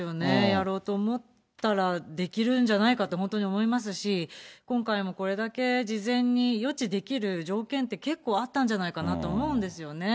やろうと思ったらできるんじゃないかって本当に思いますし、今回もこれだけ事前に予知できる条件って結構あったんじゃないかなって思うんですよね。